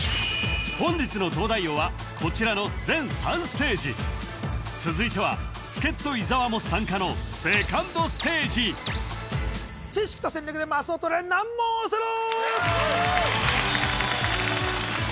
本日の「東大王」はこちらの全３ステージ続いては助っ人伊沢も参加のセカンドステージ知識と戦略でマスを取れ！難問オセロ！